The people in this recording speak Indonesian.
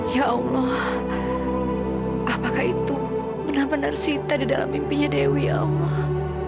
ya allah apakah itu benar benar sita di dalam mimpinya dewi allah